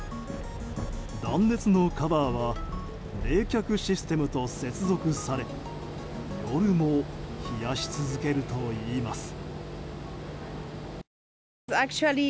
断熱のカバーは冷却システムと接続され夜も冷やし続けるといいます。